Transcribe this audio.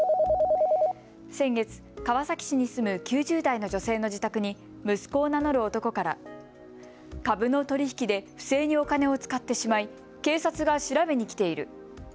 先月、川崎市に住む９０代の女性の自宅に息子を名乗る男から株の取り引きで不正にお金を使ってしまい警察が調べに来ている。